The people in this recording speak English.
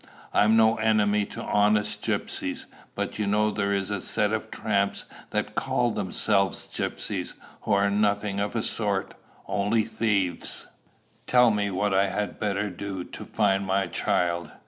I'm no enemy to honest gypsies; but you know there is a set of tramps that call themselves gypsies, who are nothing of the sort, only thieves. Tell me what I had better do to find my child.